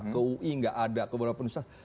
ke ui nggak ada ke beberapa penulisan